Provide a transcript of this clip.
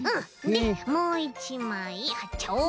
でもういちまいはっちゃおう。